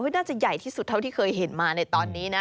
น่าจะใหญ่ที่สุดเท่าที่เคยเห็นมาในตอนนี้นะ